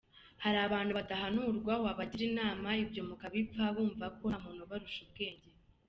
Hariho abantu badahanurwa, wabagira inama ibyo mukabipfa, bumva ko nta muntu ubarusha ubwenge.